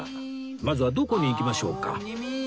まずはどこに行きましょうか？